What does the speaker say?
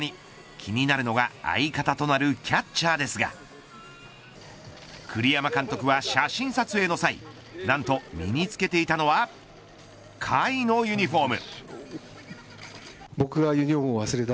気になるのが相方となるキャッチャーですが栗山監督は写真撮影の際何と身につけていたのは甲斐のユニホーム。